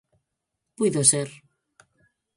Puido ser.